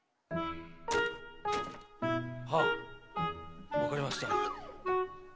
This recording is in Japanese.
はぁわかりました。